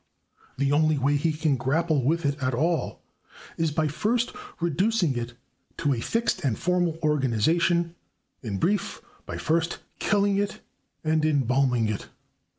The only way he can grapple with it at all is by first reducing it to a fixed and formal organization in brief, by first killing it and embalming it.